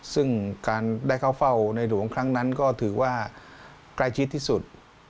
ซึ่งการได้เข้าเฝ้าในหลวงครั้งนั้นก็ถือว่าใกล้ชิดที่สุด